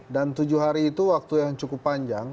dan tujuh hari itu waktu yang cukup panjang